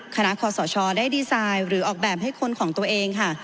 ขอสชได้ดีไซน์หรือออกแบบให้คนของตัวเองค่ะ